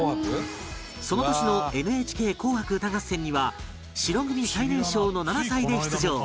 その年の『ＮＨＫ 紅白歌合戦』には白組最年少の７歳で出場